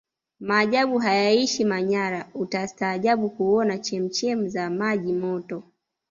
majaabu hayaishi manyara utastaajabu kuona chemchem za maji Moto